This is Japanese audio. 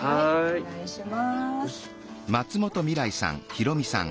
お願いします。